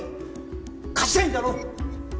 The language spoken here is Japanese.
勝ちたいんだろ？